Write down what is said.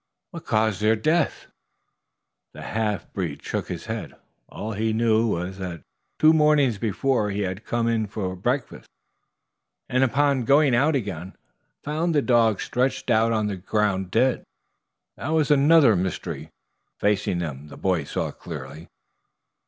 "What caused their death?" The half breed shook his head. All he knew was that two mornings before he had come in for breakfast, and upon going out again found the dogs stretched out on the ground dead. That there was another mystery facing them the boys saw clearly.